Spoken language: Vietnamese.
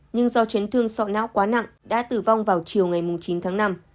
nhưng do chấn thương sọ não quá nặng đã tử vong vào chiều ngày chín tháng năm